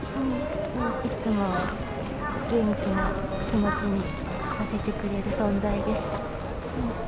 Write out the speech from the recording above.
いつも元気な気持ちにさせてくれる存在でした。